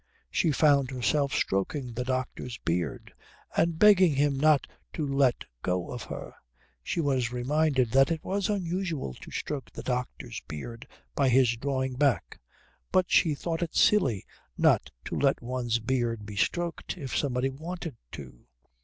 She found herself stroking the doctor's beard and begging him not to let go of her. She was reminded that it was unusual to stroke the doctor's beard by his drawing back, but she thought it silly not to let one's beard be stroked if somebody wanted to.